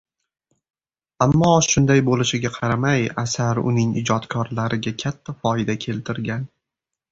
Ammo shunday bo‘lishiga qaramay, asar uning ijodkorlariga katta foyda keltirgan.